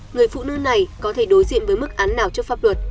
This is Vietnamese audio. người phụ nữ này có thể đối diện với mức án nào trước pháp luật